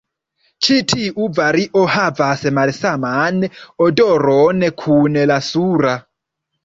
Ĉi tiu vario havas malsaman odoron kun la sura.